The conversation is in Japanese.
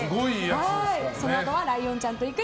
そのあとはライオンちゃんと行く！